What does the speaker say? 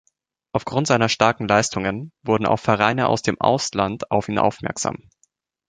Aufgrund seiner starken Leistungen wurden auch Vereine aus dem Ausland auf ihn aufmerksam.